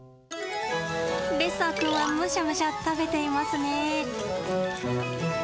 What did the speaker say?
レッサー君はむしゃむしゃ食べていますね。